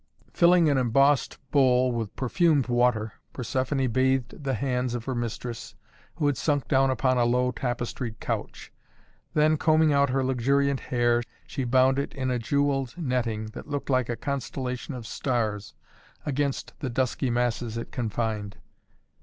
Filling an embossed bowl with perfumed water, Persephoné bathed the hands of her mistress, who had sunk down upon a low, tapestried couch. Then, combing out her luxuriant hair, she bound it in a jewelled netting that looked like a constellation of stars against the dusky masses it confined.